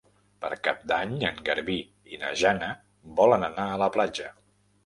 Per Cap d'Any en Garbí i na Jana volen anar a la platja.